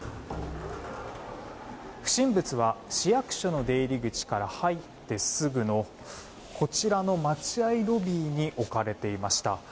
不審物は市役所の出入り口から入ってすぐのこちらの待合ロビーに置かれていました。